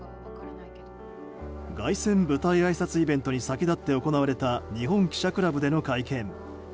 凱旋舞台あいさつイベントに先立って行われた日本記者クラブでの会見。